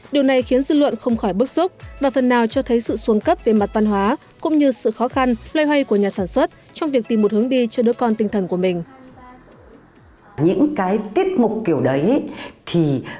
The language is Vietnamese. điều này khiến dư luận không khỏi bức xúc và phần nào cho thấy sự xuống cấp về mặt văn hóa cũng như sự khó khăn loay hoay của nhà sản xuất trong việc tìm một hướng đi cho đứa con tinh thần của mình